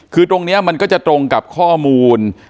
คือตรงนี้มันก็จะตรงกับข้อมูล